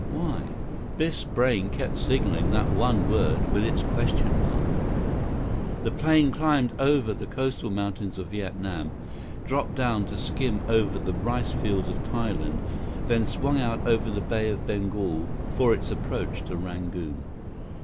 Why? Biff's brain kept signaling that one word with its question mark. The plane climbed over the coastal mountains of Viet Nam, dropped down to skim over the rice fields of Thailand, then swung out over the Bay of Bengal for its approach to Rangoon.